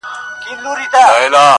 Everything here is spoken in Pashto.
درد چي سړی سو له پرهار سره خبرې کوي.